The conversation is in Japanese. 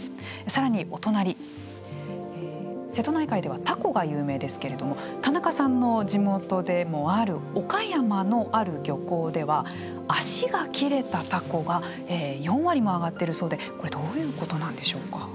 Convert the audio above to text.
更にお隣瀬戸内海ではタコが有名ですけれども田中さんの地元でもある岡山のある漁港では足が切れたタコが４割も揚がっているそうでこれどういうことなんでしょうか？